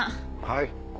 はい。